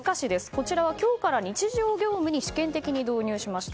こちらは今日から日常業務に試験的に導入しました。